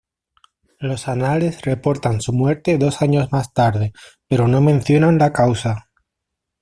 Los anales reportan su muerte dos años más tarde, pero no mencionan la causa.